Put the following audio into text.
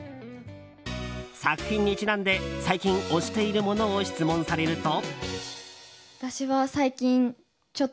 作品にちなんで最近、推しているものを質問されると。